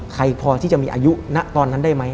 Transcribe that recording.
ใครพอที่จะมีอายุณตอนนั้นได้ไหม